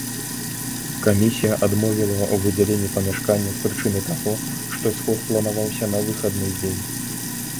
Камісія адмовіла ў выдзяленні памяшкання з прычыны таго, што сход планаваўся на выхадны дзень.